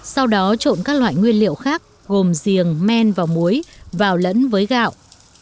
sau đó trộn các loại nguyên liệu khác gồm giềng men và muối vào lẫn với gạo